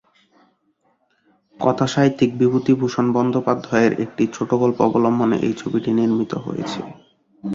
কথাসাহিত্যিক বিভূতিভূষণ বন্দ্যোপাধ্যায়ের একটি ছোটগল্প অবলম্বনে এই ছবিটি নির্মিত হয়েছে।